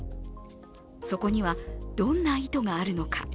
そこにはどんな意図があるのか。